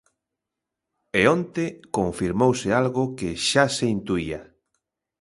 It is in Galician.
E onte confirmouse algo que xa se intuía.